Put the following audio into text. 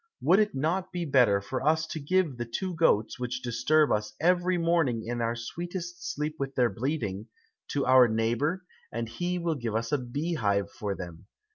Would it not be better for us to give the two goats which disturb us every morning in our sweetest sleep with their bleating, to our neighbor, and he will give us a beehive for them.